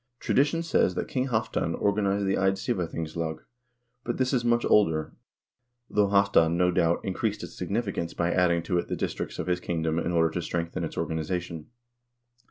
Tradition says that King Halvdan or ganized the Eidsivathingslag, but this is much older, though Halvdan, no doubt, increased its significance by adding to it the districts of his kingdom in order to strengthen its organization.